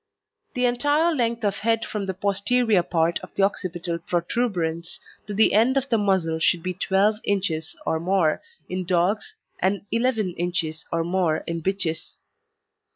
The entire length of head from the posterior part of the occipital protuberance to the end of the muzzle should be 12 inches, or more, in dogs, and 11 inches, or more, in bitches.